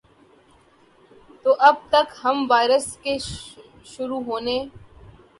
تو اب تک ہم وائرس کے شروع ہونے